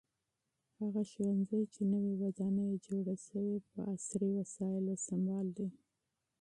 هغه ښوونځی چې نوې ودانۍ یې جوړه شوې په عصري وسایلو سمبال دی.